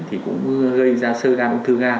thì cũng gây ra sơ gan ung thư gan